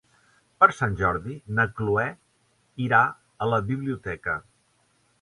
Per Sant Jordi na Cloè irà a la biblioteca.